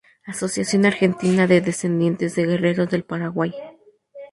Asociación argentina de descendientes de guerreros del Paraguay